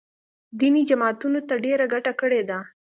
دیني جماعتونو ته ډېره ګټه کړې ده